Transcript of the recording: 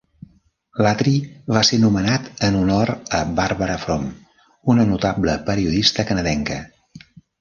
L'atri va ser nomenat en honor a Barbara Frum, una notable periodista canadenca.